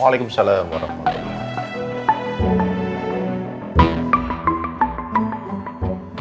waalaikumsalam warahmatullahi wabarakatuh